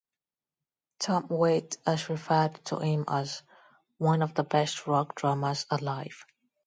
Tom Waits has referred to him as "one of the best rock drummers alive".